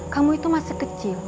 kamu itu masih kecil